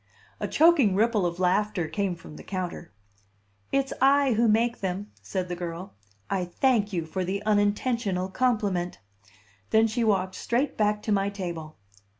A choking ripple of laughter came from the counter. "It's I who make them," said the girl. "I thank you for the unintentional compliment." Then she walked straight back to my table.